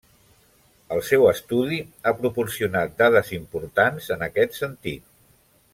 El seu estudi ha proporcionat dades importants en aquest sentit.